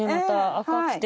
赤くて。